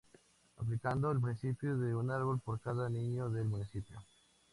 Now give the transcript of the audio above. Aplicando el principio de un árbol por cada niño del municipio.